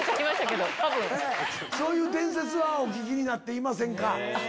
そういう伝説はお聞きになっていませんか？